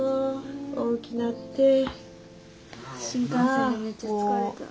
新幹線でめっちゃ疲れた。